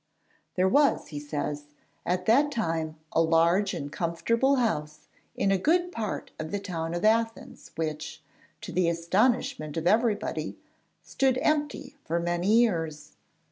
There was, he says, at that time a large and comfortable house in a good part of the town of Athens which, to the astonishment of everybody, stood empty for many years.